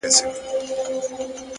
اخلاق د انسان خاموش شهرت دی